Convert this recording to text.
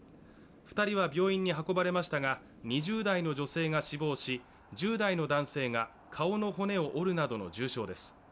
２人は病院に運ばれましたが、２０代の女性が死亡し１０代の男性が顔の骨を折るなどの重傷です。